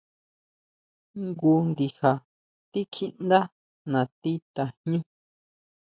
Jngu ndija tikjíʼndá natí tajñú.